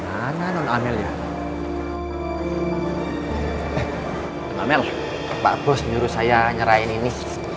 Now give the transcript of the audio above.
mana non amel ya eh non amel pak bos nyuruh saya nyerahin ini